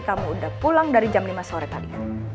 kamu udah pulang dari jam lima sore tadi